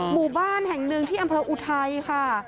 หมู่บ้านแห่งหนึ่งที่อำเภออุทัยค่ะ